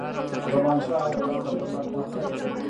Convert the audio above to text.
زمانشاه حرکت خطرناک ماهیت درلود.